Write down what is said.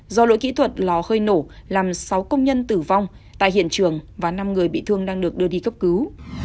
do lỗi kỹ thuật lò hơi nổ làm sáu công nhân tử vong tại hiện trường và năm người bị thương đang được đưa đi cấp cứu